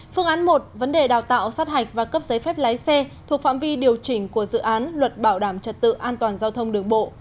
phương án một vấn đề đào tạo sát hạch và cấp giấy phép lái xe thuộc phạm vi điều chỉnh của dự án luật bảo đảm trật tự an toàn giao thông đường bộ